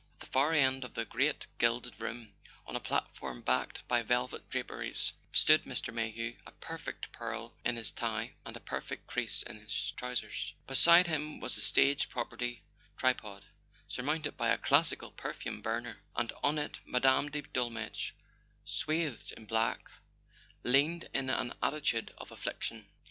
At the far end of the great gilded room, on a platform backed by velvet draperies, stood Mr. Mayhew, a perfect pearl in his tie and a perfect crease in his trousers. Beside him was a stage property tripod surmounted by a classical perfume burner; and on it Mme. de Dolmetsch, swathed in black, leaned in an attitude of affliction.